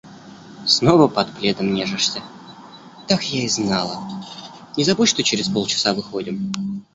Снова под пледом нежишься? Так я и знала! Не забудь, что через полчаса выходим.